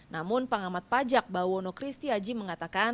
namun pengamat pajak bawono christy haji mengatakan